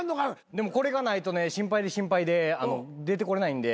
でもこれがないとね心配で心配で出てこれないんで。